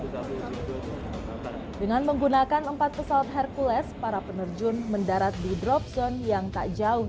hai dengan menggunakan empat pesawat hercules para penerjun mendarat di dropzone yang tak jauh